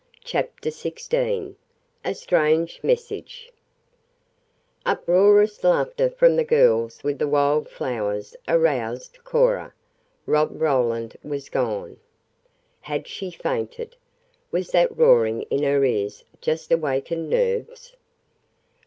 CHAPTER XVI A STRANGE MESSAGE Uproarious laughter from the girls with the wild flowers aroused Cora. Rob Roland was gone. Had she fainted? Was that roaring in her ears just awakened nerves?